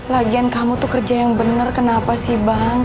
lagian kamu tuh kerja yang benar kenapa sih bang